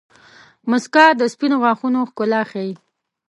• مسکا د سپینو غاښونو ښکلا ښيي.